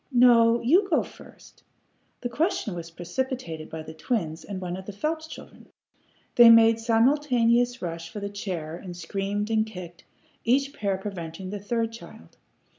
No! You go first!" The question was precipitated by the twins and one of the Phelps children. They made simultaneous rush for the chair, and screamed and kicked, each pair preventing the third child.